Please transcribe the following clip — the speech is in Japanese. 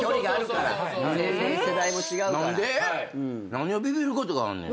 何をビビることがあんねん。